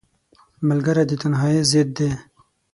ملګری د تنهایۍ ضد دی